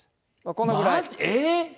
このぐらい。